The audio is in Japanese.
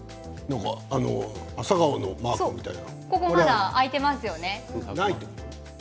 アサガオのマークみたいな。